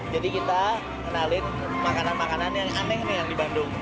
jadi kita kenalin makanan makanan yang aneh nih yang di bandung